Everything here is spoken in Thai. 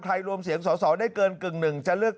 ใครรวมเสียงสอวได้เกินกึ่งหนึ่ง